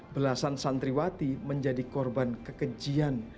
belasan santriwati menjadi korban kekejian